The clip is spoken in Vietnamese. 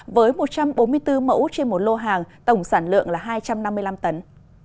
với một trăm bốn mươi bốn mẫu trên một lô hàng tổng sản lượng là hai trăm năm mươi năm tấn